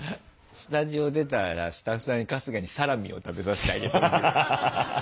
スタジオ出たらスタッフさんに「春日にサラミを食べさせてあげといて」。